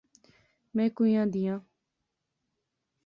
میں کویاں دیاں؟